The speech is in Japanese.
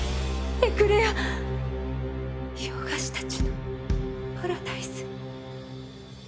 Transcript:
エクレア洋菓子たちのパラダイス。